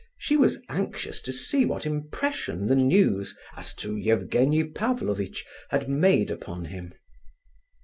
She was anxious to see what impression the news as to Evgenie Pavlovitch had made upon him.